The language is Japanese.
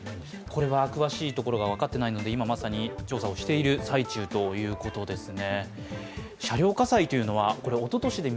これは詳しいところが分かっていないので今まさに調査をしている最中ということですね。